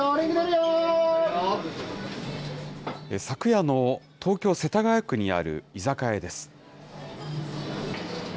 昨夜の東京・世田谷区にある居酒屋です。